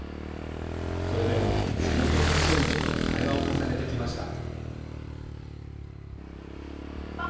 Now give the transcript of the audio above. それでも地元の人々との対話を重ねてきました。